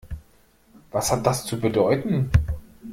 Was hat das zu bedeuten?